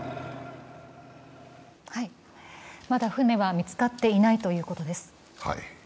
まだ船は見つかっていないということです。